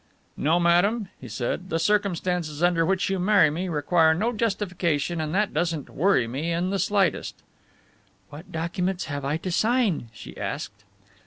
"No, madam," he said, "the circumstances under which you marry me require no justification and that doesn't worry me in the slightest." "What documents have I to sign?" she asked.